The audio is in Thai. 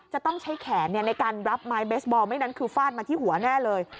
จะต้องใช้แขนในการรับไม้เบสบอลไม่นั้นคือฟาดมาที่หัวแน่เลย